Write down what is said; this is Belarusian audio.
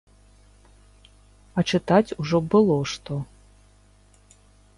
А чытаць ужо было што.